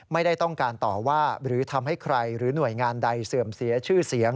ไม่ได้ต้องการต่อว่าหรือทำให้ใครหรือหน่วยงานใดเสื่อมเสียชื่อเสียง